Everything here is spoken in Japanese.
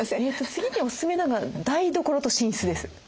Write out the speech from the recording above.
次におすすめなのが台所と寝室です。